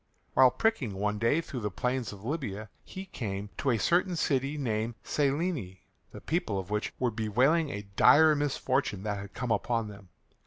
While pricking one day through the plains of Libya he came to a certain city called Silene, the people of which were bewailing a dire misfortune that had come upon them.